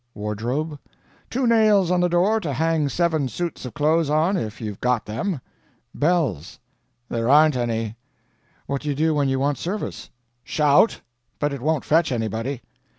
"Wardrobe?" "Two nails on the door to hang seven suits of clothes on if you've got them." "Bells?" "There aren't any." "What do you do when you want service?" "Shout. But it won't fetch anybody."